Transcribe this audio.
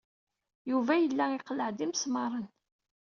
Yuba yella iqelleɛ-d imesmaṛen.